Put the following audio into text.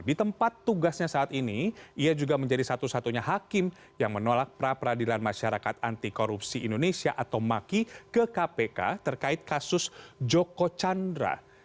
di tempat tugasnya saat ini ia juga menjadi satu satunya hakim yang menolak pra peradilan masyarakat anti korupsi indonesia atau maki ke kpk terkait kasus joko chandra